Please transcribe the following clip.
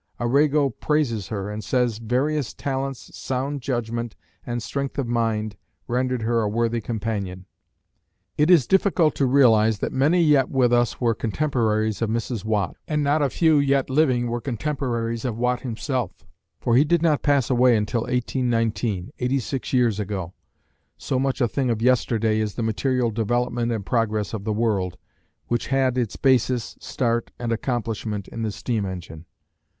Arago praises her, and says "Various talents, sound judgment, and strength of mind rendered her a worthy companion." It is difficult to realise that many yet with us were contemporaries of Mrs. Watt, and not a few yet living were contemporaries of Watt himself, for he did not pass away until 1819, eighty six years ago, so much a thing of yesterday is the material development and progress of the world, which had its basis, start and accomplishment in the steam engine.